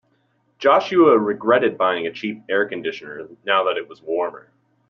Joshua regretted buying a cheap air conditioner now that it was warmer.